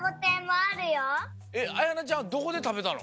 あやなちゃんはどこでたべたの？